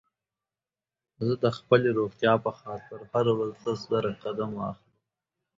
زه د خپلې روغتيا په خاطر هره ورځ لس زره قدمه اخلم